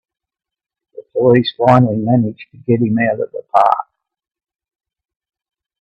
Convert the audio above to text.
The police finally manage to get him out of the park!